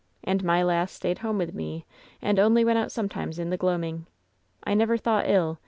And my lass stayed hame with me and only went out sometimes in the gloaming. I never thought ill.